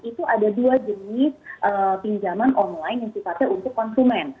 itu ada dua jenis pinjaman online yang sifatnya untuk konsumen